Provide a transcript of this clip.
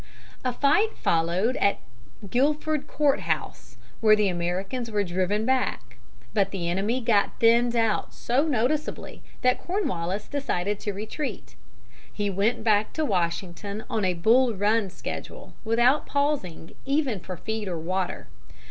A fight followed at Guilford Court House, where the Americans were driven back, but the enemy got thinned out so noticeably that Cornwallis decided to retreat. He went back to Washington on a Bull Run schedule, without pausing even for feed or water.